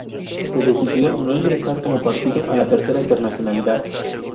Se decidió no ingresar, como partido, a la Tercera Internacional.